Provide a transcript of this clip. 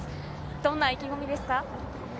どんな意気込みですか？